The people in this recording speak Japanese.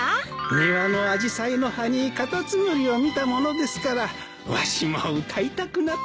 庭のアジサイの葉にカタツムリを見たものですからわしも歌いたくなって。